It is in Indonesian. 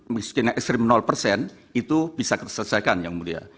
miskin ekstrim persen itu bisa terselesaikan yang mulia